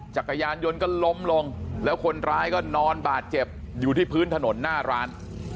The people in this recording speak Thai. จักรยานยนต์ก็ล้มลงแล้วคนร้ายก็นอนบาดเจ็บอยู่ที่พื้นถนนหน้าร้าน